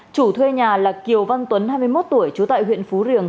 chủ thuê nhà là kiều văn tuấn hai mươi một tuổi trú tại huyện phú riềng